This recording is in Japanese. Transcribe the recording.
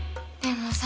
でも